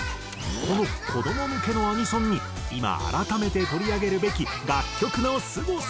この子ども向けのアニソンに今改めて取り上げるべき楽曲のすごさが。